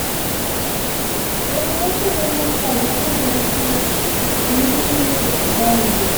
It was also remixed by German dance group Boozoo Bajou.